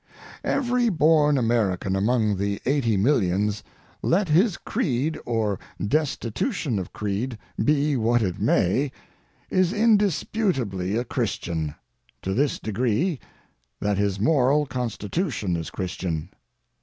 Every born American among the eighty millions, let his creed or destitution of creed be what it may, is indisputably a Christian—to this degree that his moral constitution is Christian.